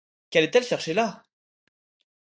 Qu'allait-elle chercher là!